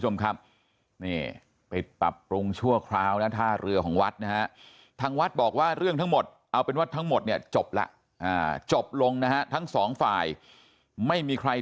แม่นอนเลยพี่